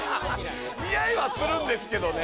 似合いはするんですけどね。